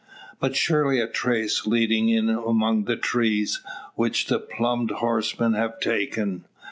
But surely a trace leading in among the trees, which the plumed horsemen have taken.